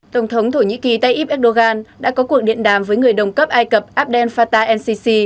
tổng thống thổ nhĩ kỳ tayyip erdogan đã có cuộc điện đàm với người đồng cấp ai cập abdel fattah el sisi